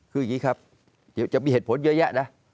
คืออย่างนี้ครับจะมีเหตุผลเยอะแยะนะ